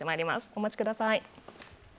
お待ちください。